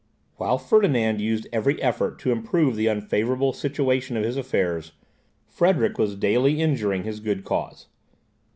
While Ferdinand used every effort to improve the unfavourable situation of his affairs, Frederick was daily injuring his good cause.